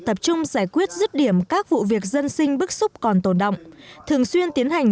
tập trung giải quyết rứt điểm các vụ việc dân sinh bức xúc còn tồn động thường xuyên tiến hành